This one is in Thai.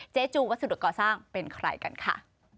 จูวัสดุก่อสร้างเป็นใครกันค่ะ